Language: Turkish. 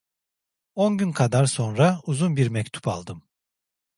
On gün kadar sonra uzun bir mektup aldım.